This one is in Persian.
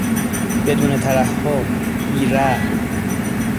بدون ترحم، بیرحم